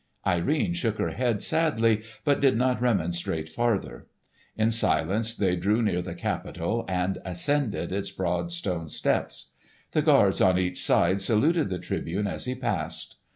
Irene shook her head sadly but did not remonstrate farther. In silence they drew near the Capitol and ascended its broad stone steps. The guards on each side saluted the Tribune as he passed.